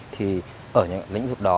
thì ở những lĩnh vực đó